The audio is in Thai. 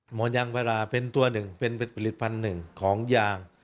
หมอนยางพาราเป็นตัวหนึ่งเป็นผลิตภัณฑ์หนึ่งของยาง